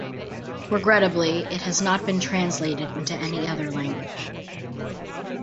Regrettably, it has not been translated into any other language.